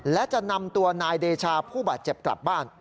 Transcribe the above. และจะนำตัวนายเดชาผู้บาดเจ็บกลับบ้าน